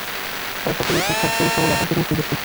তাঁরা সকলেই খুব ভদ্র ও সরল, আর অধিকাংশই বেশ শিক্ষিত।